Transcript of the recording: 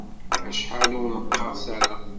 Acḥal ur neqqerṣ ara.